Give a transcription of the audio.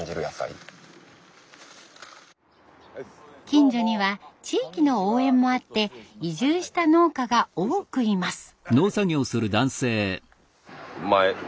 近所には地域の応援もあって移住した農家が多くいます。